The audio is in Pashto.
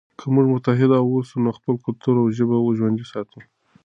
که موږ متحد واوسو نو خپل کلتور او ژبه ژوندی ساتو.